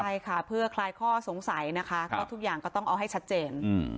ใช่ค่ะเพื่อคลายข้อสงสัยนะคะก็ทุกอย่างก็ต้องเอาให้ชัดเจน